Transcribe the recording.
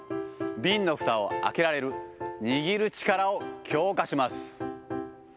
瓶のふたを開けられる、握る力を強化します。